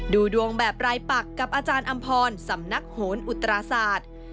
ดูดวงแบบรายปักกับอาจารย์อำพรสำนักโหนอุตราศาสตร์